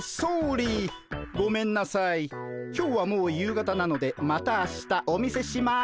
今日はもう夕方なのでまた明日お見せします。